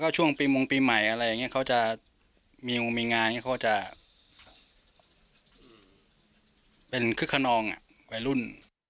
เอ่อแล้วก็ช่วงปีมุมปีใหม่อะไรอย่างนี้เค้าจะมีงวงมีงานเค้าจะเป็นครึกคะนองไว้รุ่น